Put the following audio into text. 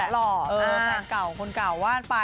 หล่อแฟนเก่าคนเก่าว่านไป